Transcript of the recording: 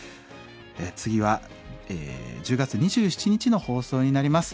次は１０月２７日の放送になります。